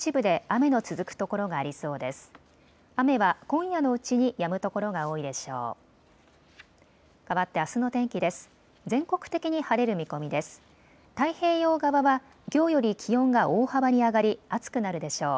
雨は今夜のうちにやむ所が多いでしょう。